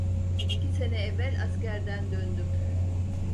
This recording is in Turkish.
İki sene evvel askerden döndüm!